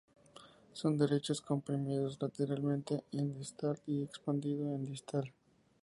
Son derechos, comprimidos lateralmente en distal y expandido en distal.